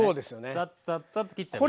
ザッザッザッと切っちゃえば。